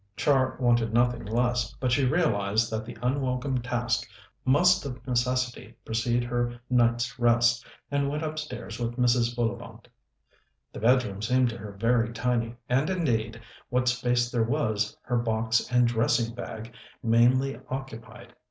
Char wanted nothing less, but she realized that the unwelcome task must of necessity precede her night's rest, and went upstairs with Mrs. Bullivant. The bedroom seemed to her very tiny, and, indeed, what space there was, her box and dressing bag mainly occupied.